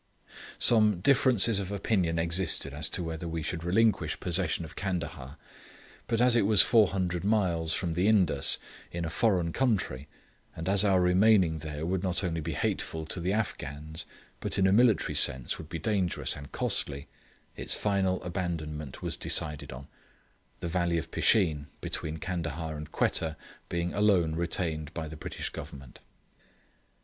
Some differences of opinion existed as to whether we should relinquish possession of Candahar; but as it was 400 miles from the Indus, in a foreign country, and as our remaining there would not only be hateful to the Afghans, but in a military sense would be dangerous and costly, its final abandonment was decided on; the valley of Pisheen, between Candahar and Quetta, being alone retained by the British Government.